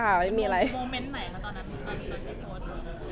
มีโมเมนต์ไหนค่ะตอนนั้นตอนที่โพสต์